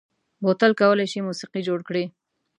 بوتل کولای شي موسيقي جوړ کړي.